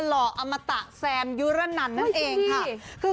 ห่ออมตะแซมยุระนันนั่นเองค่ะคือ